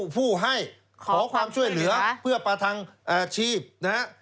ผู้ให้ขอความช่วยเหลือเพื่อประทังอาชีพนะฮะ